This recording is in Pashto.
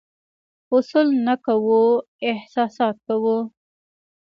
اصول نه کوو، احساسات کوو.